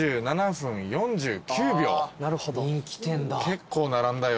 結構並んだよ。